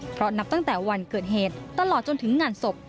เพราะนับตั้งแต่วันเกิดเหตุตลอดจนถึงงานศพ